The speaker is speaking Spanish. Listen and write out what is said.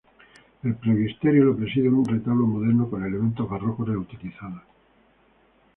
El presbiterio lo preside un retablo moderno con elementos barrocos reutilizados.